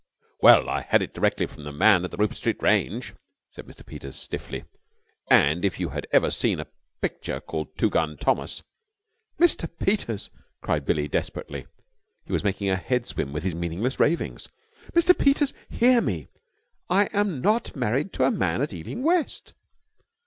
"Well, I had it direct from the man at the Rupert Street range," said Mr. Peters stiffly. "And if you had ever seen a picture called Two Gun Thomas...." "Mr. Peters!" cried Billie desperately. He was making her head swim with his meaningless ravings. "Mr. Peters, hear me! I am not married to a man at Ealing West!"